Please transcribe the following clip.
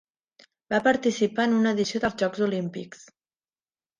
Va participar en una edició dels Jocs Olímpics.